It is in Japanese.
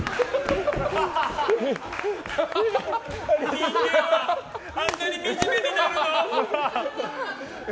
人間はあんなにみじめになるの？